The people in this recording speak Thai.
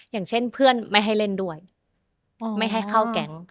อย่างเช่นเพื่อนไม่ให้เล่นด้วยไม่ให้เข้าแก๊ง